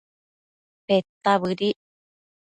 Peta bëdic